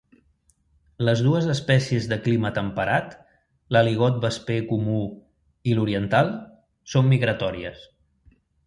Les dues espècies de clima temperat, l'aligot vesper comú i l'oriental, són migratòries.